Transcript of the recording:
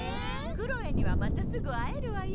クロエにはまたすぐ会えるわよ。